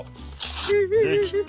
「できた」